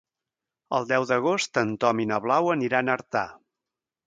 El deu d'agost en Tom i na Blau aniran a Artà.